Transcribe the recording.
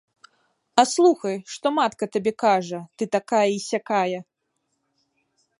А слухай, што матка табе кажа, ты, такая і сякая!